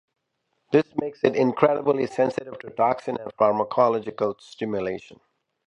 This makes it incredibly sensitive to toxin and pharmacological stimulation.